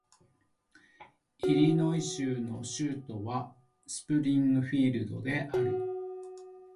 イリノイ州の州都はスプリングフィールドである